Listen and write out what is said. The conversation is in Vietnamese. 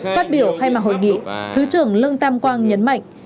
phát biểu khai mạc hội nghị thứ trưởng lương tam quang nhấn mạnh